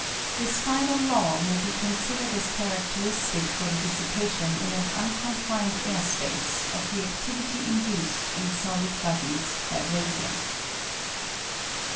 This final law may be considered as charadteristic for the dissipation in an unconfined air space of the adtivity induced in solid bodies by radium.